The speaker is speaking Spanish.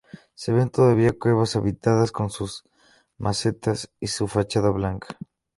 Se ven todavía cuevas habitadas con sus macetas y su fachada blanca.